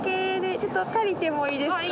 ちょっと借りてもいいですか？